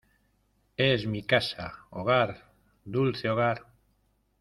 es mi casa. hogar, dulce hogar .